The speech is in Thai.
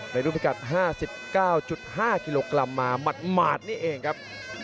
รุ่นพิกัด๕๙๕กิโลกรัมมาหมาดนี่เองครับ